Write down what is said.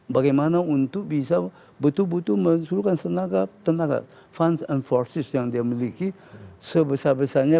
bagaimana untuk bisa betul betul mensuruhkan tenaga tenaga yang dia miliki sebesar besarnya